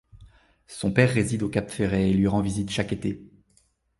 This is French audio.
Son père réside au Cap Ferret et lui rend visite chaque été.